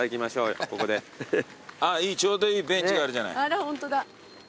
あらホントだ。